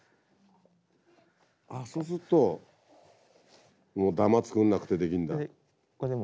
ああそうするともう玉作んなくてできんだ。